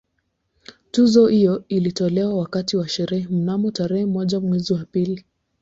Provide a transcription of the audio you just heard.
Tuzo hiyo ilitolewa wakati wa sherehe mnamo tarehe moja mwezi wa pili